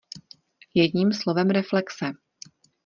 Jedním slovem reflexe.